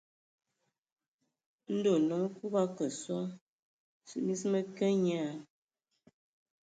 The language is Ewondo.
Ndɔ nnom Kub a kǝ sɔ, mis mǝ kǝǝ nye a.